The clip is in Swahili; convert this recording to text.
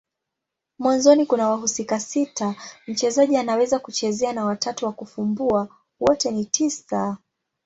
Mwanzoni kuna wahusika sita mchezaji anaweza kuchezea na watatu wa kufumbua. Wote ni tisa.